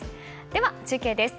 では、中継です。